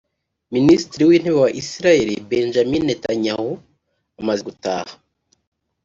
Minisitiri w’Intebe wa Israel Benjamin Netanyahu amaze gutaha